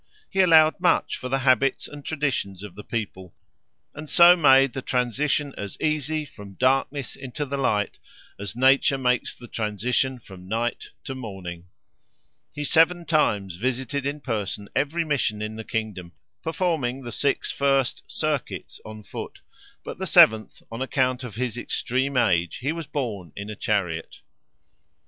He allowed much for the habits and traditions of the people, and so made the transition as easy, from darkness into the light, as Nature makes the transition from night to morning. He seven times visited in person every mission in the kingdom, performing the six first "circuits" on foot, but the seventh, on account of his extreme age, he was borne in a chariot.